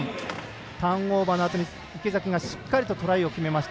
ターンオーバーのあとに池崎がしっかりトライを決めました。